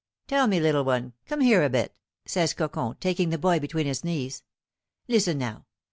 "Tell me, little one, come here a bit," says Cocon, taking the boy between his knees. "Listen now.